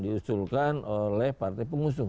diusulkan oleh partai pengusul